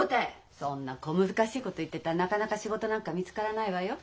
そんな小難しいこと言ってたらなかなか仕事なんか見つからないわよ。